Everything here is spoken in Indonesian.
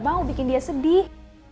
aku gak mau bikin dia sedih